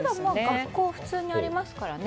学校普通にありますからね。